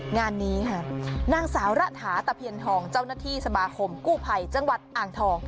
งานนี้ค่ะนางสาวระถาตะเพียนทองเจ้าหน้าที่สมาคมกู้ภัยจังหวัดอ่างทอง